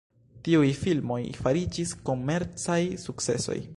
Tiuj filmoj fariĝis komercaj sukcesoj.